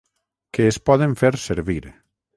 Que es poden fer servir.